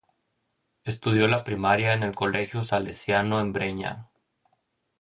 Estudió la primaria en el Colegio Salesiano en Breña.